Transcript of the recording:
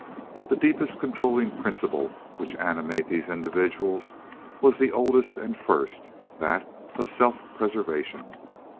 The deepest controlling principle which animated these individuals was the oldest and first, that of self preservation.